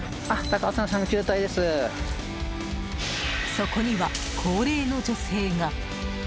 そこには、高齢の女性が。